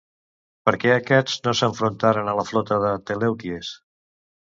Per què aquests no s'enfrontaren a la flota de Telèuties?